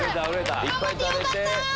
頑張ってよかった！